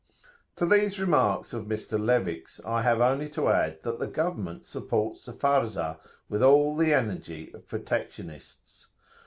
To these remarks of Mr. Levick's, I have only to add that the government supports the Farzah with all the energy of protectionists.